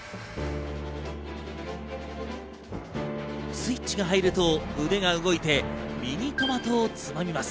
スイッチが入ると腕が動いて、ミニトマトをつまみます。